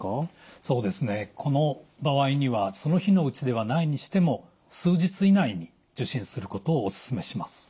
そうですねこの場合にはその日のうちではないにしても数日以内に受診することをおすすめします。